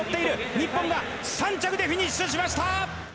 日本が３着でフィニッシュしました。